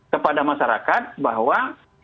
kepada masyarakat bahwa